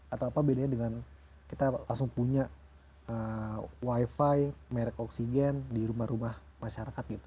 atau apa bedanya dengan kita langsung punya wifi merek oksigen di rumah rumah masyarakat gitu